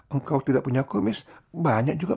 engkau tidak punya komis banyak juga